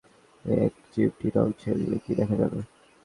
একটি পানিভর্তি বিকারের কোনায় এক চিমটি রং ছেড়ে দিলে কী দেখা যাবে?